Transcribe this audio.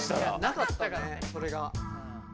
なかったからねそれが。